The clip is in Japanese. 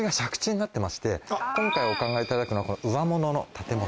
今回お考えいただくのはうわものの建物。